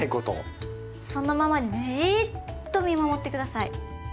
そのままじっと見守って下さい。